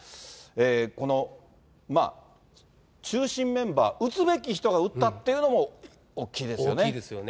この中心メンバー、打つべき人が打ったっていうのも大きいですよね。